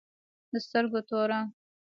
د سترگو توره